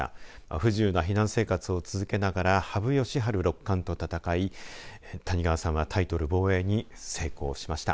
不自由な避難生活を続けながら羽生善治６冠と戦い谷川さんはタイトル防衛に成功しました。